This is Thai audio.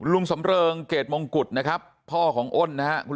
ลุงสำเริงเกรดมงกุฎนะครับพ่อของอ้นนะครับ